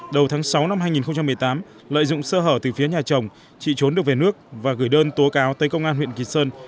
đầu tháng sáu năm hai nghìn một mươi tám lợi dụng sơ hở từ phía nhà chồng chị trốn được về nước và gửi đơn tố cáo tới công an huyện kỳ sơn